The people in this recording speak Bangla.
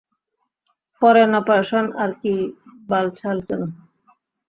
ফরেন অপারেশন আর কী বালছাল যেন।